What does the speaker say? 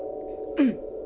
うん。